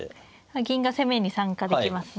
銀が攻めに参加できますね